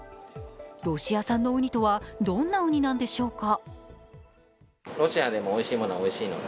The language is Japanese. ロシア産のうにとは、どんなうになんでしょうか？